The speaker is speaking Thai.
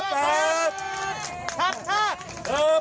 ชับชัด